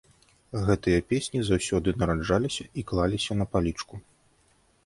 Гэтыя песні заўсёды нараджаліся і клаліся на палічку.